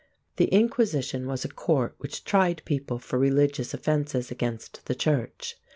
The Inquisition was a court which tried people for religious offenses against the church.